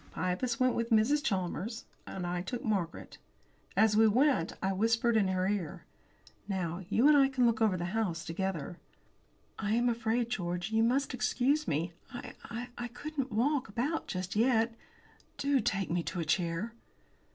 Pybus went with Mrs. Chalmers, I took Margaret. As we went I whispered in her ear: "Now, you and I can look over the house together." "I am afraid, George, you must excuse me. I I couldn't walk about just yet. Do take me to a chair!"